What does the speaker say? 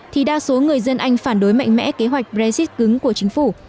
thì đa số người dân anh phản đối mạnh mẽ kế hoạch brexit cứng của chính phủ